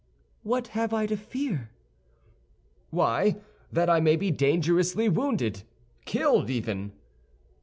"What have I to fear?" "Why, that I may be dangerously wounded—killed even."